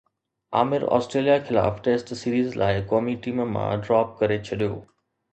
Amir Australia خلاف test series لاءِ قومي ٽيم مان ڊراپ ڪري ڇڏيو